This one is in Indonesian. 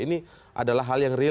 ini adalah hal yang real